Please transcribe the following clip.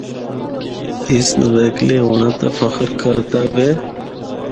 اس نویکلے ہونڑے تے فخر کردا وے۔